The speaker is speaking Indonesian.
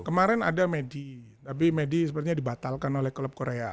kemarin ada medi tapi medi sepertinya dibatalkan oleh klub korea